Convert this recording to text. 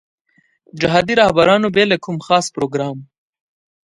جهادي رهبرانو بې له کوم خاص پروګرام.